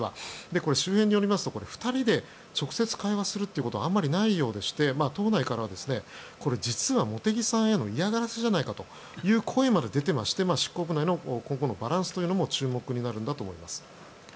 周辺によりますと２人で直接会話するということはあまりないようでして党内からは実は茂木さんへの嫌がらせじゃないかという声まで出て増して執行部内の今後のバランスというのも注目だと思います。